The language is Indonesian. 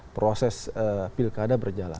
proses pilkada berjalan